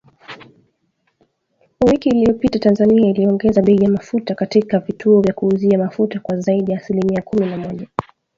Wiki iliyopita Tanzania iliongeza bei ya mafuta katika vituo vya kuuzia mafuta kwa zaidi ya asilimia kumi na moja